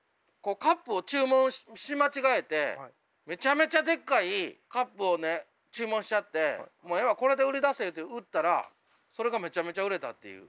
カップを注文し間違えてめちゃめちゃでっかいカップをね注文しちゃってもうええわこれで売り出せって売ったらそれがめちゃめちゃ売れたっていう。